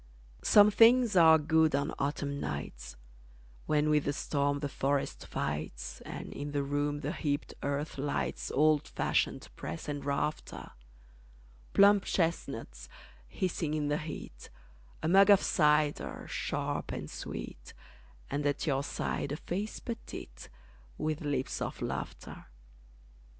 Some things are good on Autumn nights, When with the storm the forest fights, And in the room the heaped hearth lights Old fashioned press and rafter: Plump chestnuts hissing in the heat, A mug of cider, sharp and sweet, And at your side a face petite, With lips of laughter.